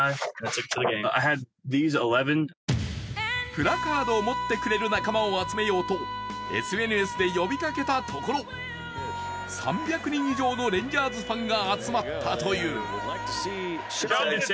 プラカードを持ってくれる仲間を集めようとＳＮＳで呼びかけたところ３００人以上のレンジャーズファンが集まったという。